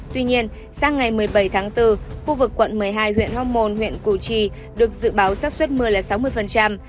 tuy nhiên sang ngày một mươi bảy tháng bốn khu vực quận một mươi hai huyện hoc mon huyện củ chi được dự báo sát xuất mưa là sáu mươi